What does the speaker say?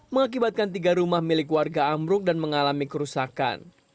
mengakibatkan tiga rumah milik warga amruk dan mengalami kerusakan